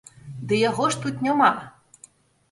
Ды яго ж тут няма.